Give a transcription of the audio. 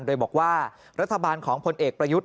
โดยบอกว่ารัฐบาลของพลเอกประยุทธ์